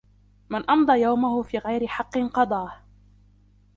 مَنْ أَمْضَى يَوْمَهُ فِي غَيْرِ حَقٍّ قَضَاهُ